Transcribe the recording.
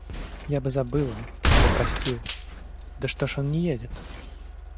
Я бы забыла, он бы простил... Да что ж он не едет?